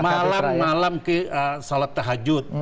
malam malam ke sholat tahajud